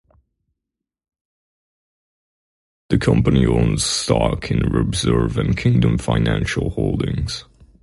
The company owns stock in Rebserve and Kingdom Financial Holdings.